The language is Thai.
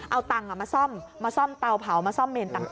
เอาตังค์มาซ่อมมาซ่อมเตาเผามาซ่อมเมนต่าง